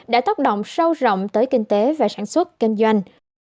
đã tác động sâu rộng tới kinh tế và sản xuất kinh doanh